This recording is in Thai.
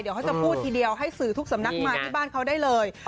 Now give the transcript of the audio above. เดี๋ยวเขาจะพูดทีเดียวให้สื่อทุกสำนักมาที่บ้านเขาได้เลย